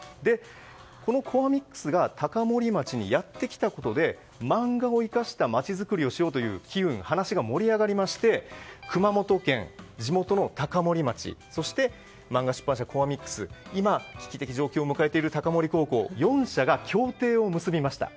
このコアミックスが高森町にやってきたことで漫画を生かした町づくりをしようという機運が盛り上がりまして熊本県、地元の高森町そして、マンガ出版社コアミックス危機的状況を迎えている高森高校の協定を結びました。